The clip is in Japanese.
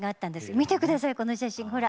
見てください、この写真。